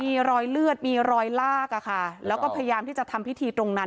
มีรอยเลือดมีรอยลากอะค่ะแล้วก็พยายามที่จะทำพิธีตรงนั้น